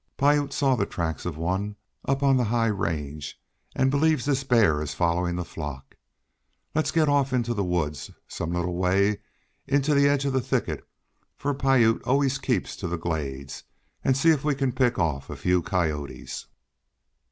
Piute saw the tracks of one up on the high range, and believes this bear is following the flock. Let's get off into the woods some little way, into the edge of the thickets for Piute always keeps to the glades and see if we can pick off a few coyotes."